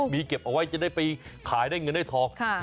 มีเก็บเอาไว้จะได้ไปขายได้เงินได้ทอง